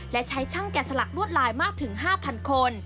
และใช้ช่างแกะสลักลวดลายมากถึง๕๐๐คน